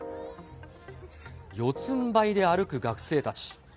四つんばいで歩く学生たち。